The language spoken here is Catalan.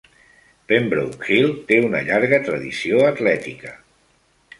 Pembroke Hill té una llarga tradició atlètica.